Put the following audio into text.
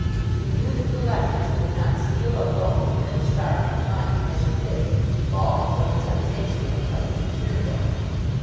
He knew that collectors who would not steal a loaf if they were starving might and did fall before the temptation of a coveted curio.